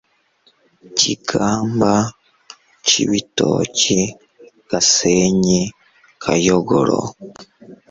kigamba, cibitoke, gasenyi, kayogoro